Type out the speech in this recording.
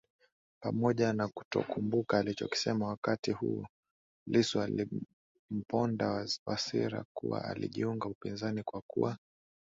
Pamoja na kutokumbuka alichokisema wakati huo Lissu alimponda Wasira kuwa alijiunga upinzani kwa kuwa